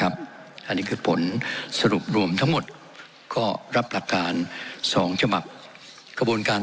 อันนี้คือผลสรุปรวมทั้งหมดก็รับหลักการ๒ฉบับกระบวนการ